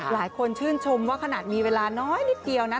หลายคนชื่นชมว่าขนาดมีเวลาน้อยนิดเดียวนะ